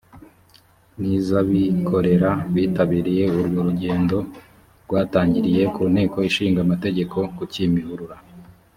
n’izabikorera bitabiriye urwo rugendo rwatangiriye ku nteko ishinga amategeko ku kimihurura